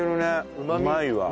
うまいわ。